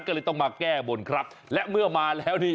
ก็เลยต้องมาแก้บนครับและเมื่อมาแล้วนี่